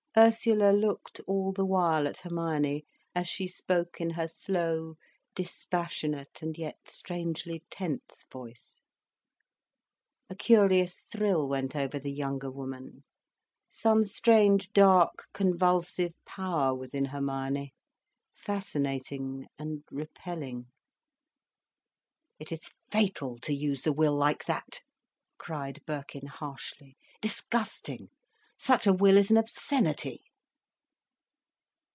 Ursula looked all the while at Hermione, as she spoke in her slow, dispassionate, and yet strangely tense voice. A curious thrill went over the younger woman. Some strange, dark, convulsive power was in Hermione, fascinating and repelling. "It is fatal to use the will like that," cried Birkin harshly, "disgusting. Such a will is an obscenity."